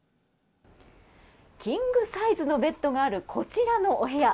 キングサイズのベッドがある、こちらのお部屋